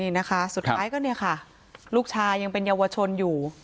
นี่นะคะสุดท้ายก็เนี่ยค่ะลูกชายยังเป็นเยาวชนอยู่